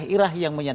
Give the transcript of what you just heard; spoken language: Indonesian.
seorang yang beriman